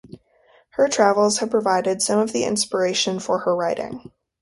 Her travels have provided some of the inspiration for her writing.